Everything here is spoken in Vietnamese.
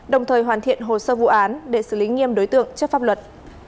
đồng thời hoàn thiện hồ sơ vụ án để xử lý nghiêm đối tượng trước pháp luật